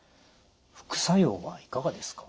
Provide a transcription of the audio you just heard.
副作用はいかがですか？